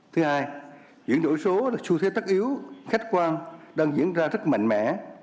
thứ hai chuyển đổi số là xu thế tất yếu khách quan đang diễn ra rất mạnh mẽ